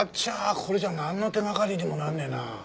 これじゃなんの手掛かりにもなんねえな。